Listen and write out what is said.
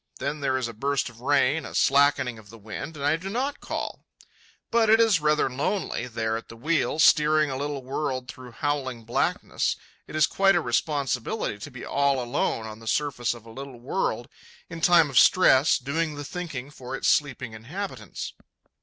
Then there is a burst of rain, a slackening of the wind, and I do not call. But it is rather lonely, there at the wheel, steering a little world through howling blackness. It is quite a responsibility to be all alone on the surface of a little world in time of stress, doing the thinking for its sleeping inhabitants.